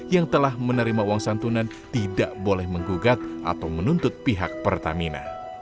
yang telah menerima uang santunan tidak boleh menggugat atau menuntut pihak pertamina